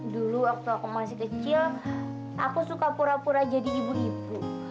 dulu waktu aku masih kecil aku suka pura pura jadi ibu ibu